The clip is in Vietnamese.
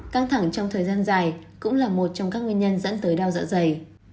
căng thẳng trong thời gian dài cũng là một trong các nguyên nhân dẫn tới đau dạ dày